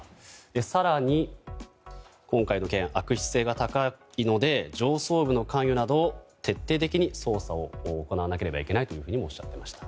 更に、今回の件は悪質性が高いので上層部の関与など徹底的に捜査を行わなければいけないとおっしゃっていました。